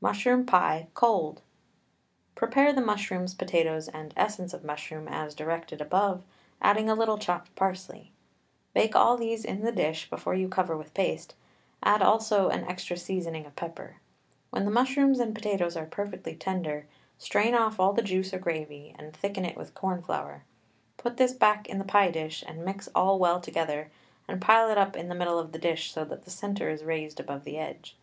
MUSHROOM PIE, COLD. Prepare the mushrooms, potatoes, and essence of mushroom as directed above, adding a little chopped parsley. Bake all these in the dish before you cover with paste, add also an extra seasoning of pepper. When the mushrooms and potatoes are perfectly tender, strain off all the juice or gravy, and thicken it with corn flour; put this back in the pie dish and mix all well together, and pile it up in the middle of the dish so that the centre is raised above the edge.